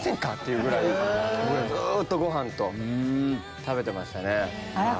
僕らずっとごはん食べてましたね。